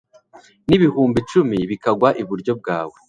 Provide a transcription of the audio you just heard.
n’ibihumbi cumi bikagwa iburyo bwawe